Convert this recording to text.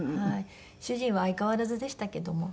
主人は相変わらずでしたけども。